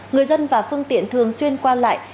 người dân và phương tiện thường xuyên qua lại